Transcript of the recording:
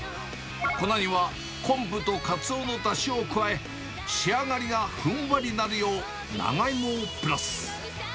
粉には昆布とカツオのだしを加え、仕上がりがふんわりなるよう、長芋をプラス。